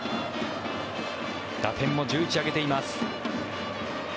打点も１１挙げています。